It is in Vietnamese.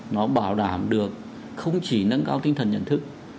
nó bảo đảm được không chỉ nâng cao tinh thần nhận thức